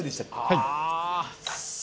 はい。